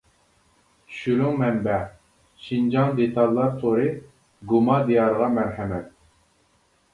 چۈشۈرۈڭ مەنبە: شىنجاڭ دېتاللار تورى گۇما دىيارىغا مەرھەمەت!